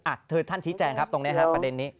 ท่านชี้แจงครับตรงนี้ฮะประเด็นนี้